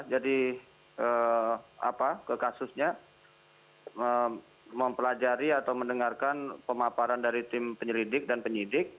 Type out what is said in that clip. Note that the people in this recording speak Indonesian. jadi apa ke kasusnya mempelajari atau mendengarkan pemaparan dari tim penyelidik dan penyidik